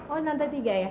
oh di lantai tiga ya